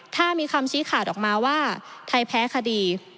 ถ้ามีคำชี้ขาดออกมาว่าไทยแพ้คดี